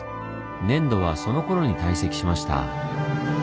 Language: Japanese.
粘土はそのころに堆積しました。